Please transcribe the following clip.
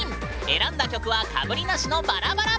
選んだ曲はかぶりなしのバラバラ！